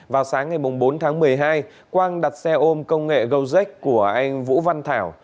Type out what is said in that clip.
vào sáng ngày bốn tháng một mươi hai quang đặt xe ôm công nghệ gojec của anh vũ văn thảo